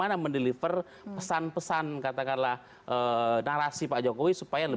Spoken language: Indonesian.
untuk noumo orang lain